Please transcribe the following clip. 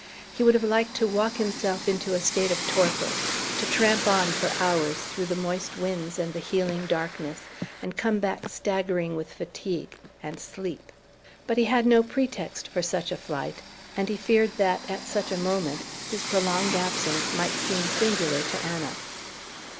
He would have liked to walk himself into a state of torpor; to tramp on for hours through the moist winds and the healing darkness and come back staggering with fatigue and sleep. But he had no pretext for such a flight, and he feared that, at such a moment, his prolonged absence might seem singular to Anna.